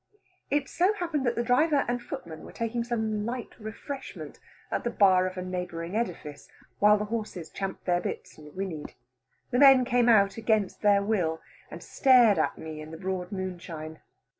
It so happened that the driver and footman were taking some light refreshment at the bar of a neighbouring edifice, while the horses champed their bits and whinnied. The men came out against their will, and stared at me in the broad moonshine.